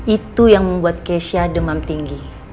itu yang membuat kesha demam tinggi